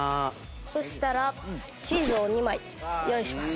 そしたらチーズを２枚用意します。